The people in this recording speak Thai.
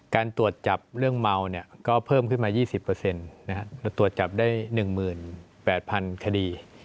การตรวจจับเรื่องเมาก็เพิ่มขึ้นมา๒๐ตรวจจับได้๑๘๐๐๐คดี